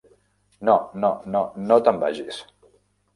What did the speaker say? No, no, no, no te'n vagis.